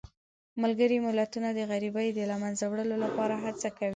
ملګري ملتونه د غریبۍ د له منځه وړلو لپاره هڅه کوي.